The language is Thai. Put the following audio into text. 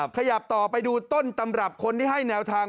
ขยับต่อไปดูต้นตำรับคนที่ให้แนวทาง